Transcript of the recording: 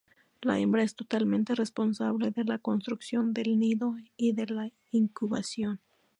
La hembra es totalmente responsable de la construcción del nido y de la incubación.